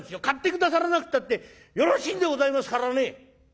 買って下さらなくったってよろしいんでございますからね。